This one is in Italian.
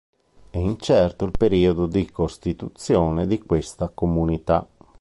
È incerto il periodo di costituzione di questa comunità.